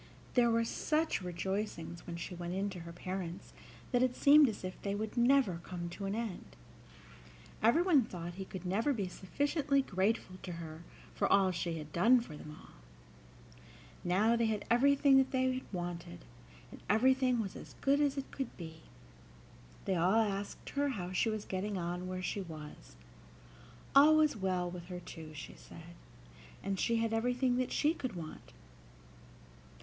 There were such rejoicings when she went in to her parents that it seemed as if they would never come to an end. Everyone thought that he could never be sufficiently grateful to her for all she had done for them all. Now they had everything that they wanted, and everything was as good as it could be. They all asked her how she was getting on where she was. All was well with her too, she said; and she had everything that she could want.